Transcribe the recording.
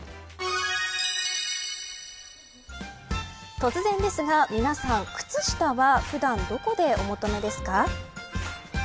突然ですが皆さん、靴下は普段どこでお求めですか。